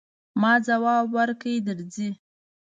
ما ځواب ورکړ، درځئ.